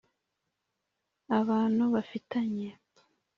abantu bafitanye